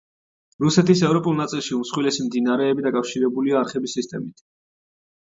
რუსეთის ევროპულ ნაწილში უმსხვილესი მდინარეები დაკავშირებულია არხების სისტემით.